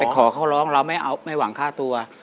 ไปขอเข้าร้องเราไม่เอาไม่หวังค่าตัว